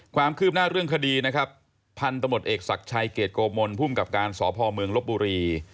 ความคืบหน้าเรื่องคดีพันธุ์ตมติเอกศักดิ์ชัยเกียรติโกมนท์ภูมิกับการสอบพ่อเมืองลบบุรี